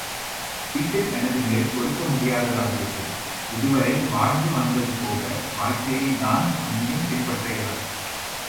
வீட்டில் எனது நிலை பொறுக்க முடியாததாகிவிட்டது. இதுவரை வாழ்ந்து வந்த போக வாழ்க்கையை நான் இனியும் பின்பற்ற இயலாது.